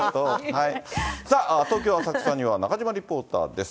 さあ、東京・浅草には中島リポーターです。